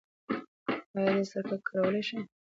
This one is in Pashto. ایا زه سرکه کارولی شم؟